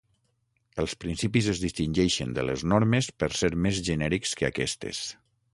Els principis es distingeixen de les normes per ser més genèrics que aquestes.